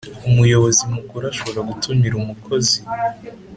Umuyobozi Mukuru ashobora gutumira umukozi